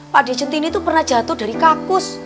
pak dnya centini tuh pernah jatuh dari kakus